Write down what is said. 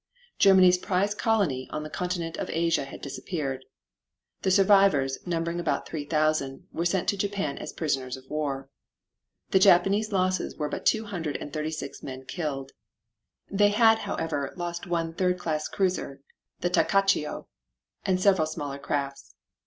Germany's prize colony on the continent of Asia had disappeared. The survivors, numbering about three thousand, were sent to Japan as prisoners of war. Japanese losses were but two hundred and thirty six men killed. They had, however, lost one third class cruiser, the Takachiho, and several smaller crafts.